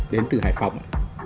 đến từ hải phòng